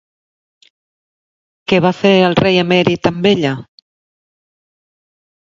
Què va fer el rei emèrit amb ella?